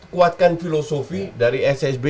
kuatkan filosofi dari ssb